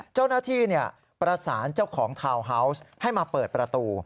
เจ้าหน้าที่ประสานเจ้าของทาวน์ฮาวส์ให้มาเปิดประตู